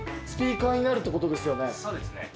そうですね。